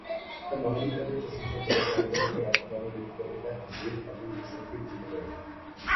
তার মানবিক কাজের প্রশংসা করে টাঙ্গাইলের লোকেরা "দানবীর" উপাধিতে হাজী আবুল হোসেনকে ভূষিত করেন।